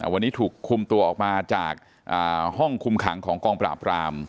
วันนี้ถูกคุมตัวออกมาจากห้องคุมขังของกองปราบราม